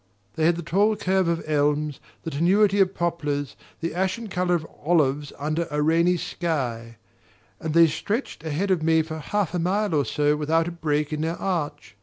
They had the tall curve of elms, the tenuity of poplars, the ashen colour of olives under a rainy sky; and they stretched ahead of me for half a mile or more without a break in their arch.